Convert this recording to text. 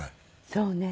そうね。